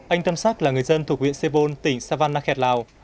anh tâm sắc là người dân thuộc huyện sê bôn tỉnh savanna khẹt lào